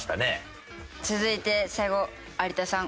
続いて最後有田さん